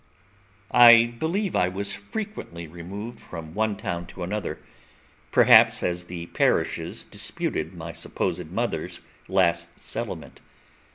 I believe I was frequently removed from one town to another, perhaps as the parishes disputed my supposed mother's last settlement.